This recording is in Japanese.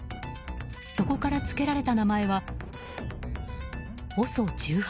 そこからつけられた名前はＯＳＯ１８。